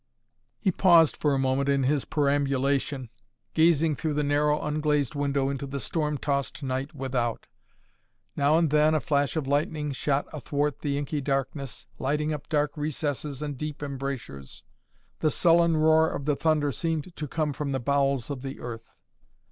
He paused for a moment in his perambulation, gazing through the narrow unglazed window into the storm tossed night without. Now and then a flash of lightning shot athwart the inky darkness, lighting up dark recesses and deep embrasures. The sullen roar of the thunder seemed to come from the bowels of the earth.